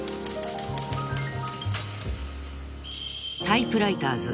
［『タイプライターズ』